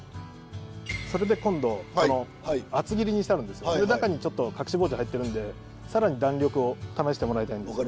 それで今度厚切りにしてあるんですけど中にちょっと隠し包丁入ってるんで更に弾力を試してもらいたいんです。